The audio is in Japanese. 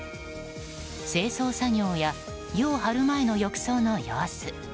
清掃作業や湯を張る前の浴槽の様子。